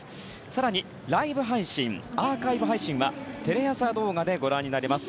更にライブ配信、アーカイブ配信はテレ朝動画でご覧になれます。